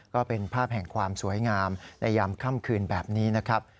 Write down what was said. ก็เป็นภาพแห่งความสวยงามในยามค่ำคืนแบบนี้นะครับ